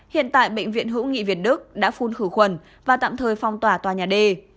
hiện tại bệnh viện hữu nghị việt đức đã phun khử khuẩn và tạm thời phong tỏa tòa nhà d